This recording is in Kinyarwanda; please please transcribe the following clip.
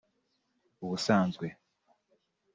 Ubusanzwe